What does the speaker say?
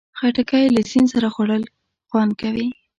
خټکی له سیند سره خوړل خوند کوي.